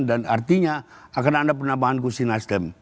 dan artinya akan ada penambahan kursi nasdem